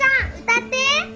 歌って！